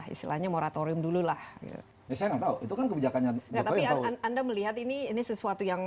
istilahnya moratorium dululah bisa tahu itu kan kebijakannya anda melihat ini ini sesuatu yang